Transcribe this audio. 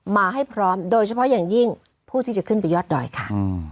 มาให้พร้อมโดยเฉพาะอย่างยิ่งผู้ที่จะขึ้นไปยอดดอยค่ะ